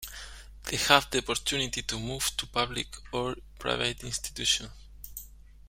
They have the opportunity to move to public or private institutions.